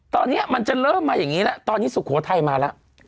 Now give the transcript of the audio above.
ตอนนี้มันจะเริ่มมาอย่างนี้แล้วตอนนี้สุโขทัยมาแล้ว